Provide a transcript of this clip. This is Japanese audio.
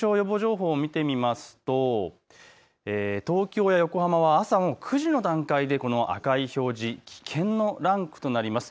熱中症予防情報を見てみますと東京や横浜は朝９時の段階でこの赤い表示、危険のランクとなります。